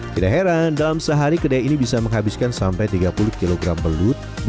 tidak heran dalam sehari kedai ini bisa menghabiskan sampai tiga puluh kg belut